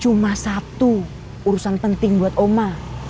cuma satu urusan penting buat oma